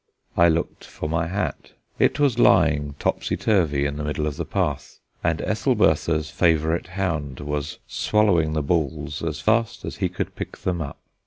I looked for my hat; it was lying topsy turvy in the middle of the path, and Ethelbertha's favourite hound was swallowing the balls as fast as he could pick them up.